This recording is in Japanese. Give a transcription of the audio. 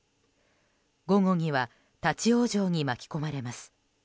午後には立ち往生に巻き込まれます。